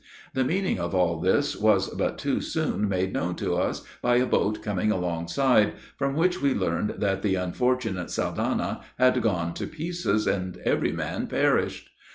The meaning of all this was but too soon made known to us by a boat coming alongside, from which we learned that the unfortunate Saldanha had gone to pieces, and every man perished!